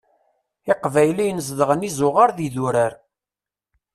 Iqbayliyen zedɣen izuɣar d yidurar.